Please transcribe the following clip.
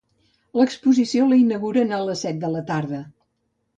L'exposició l'inauguren a les set de la tarda